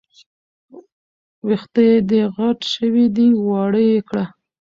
وېښته دې غټ شوي دي، واړه يې کړه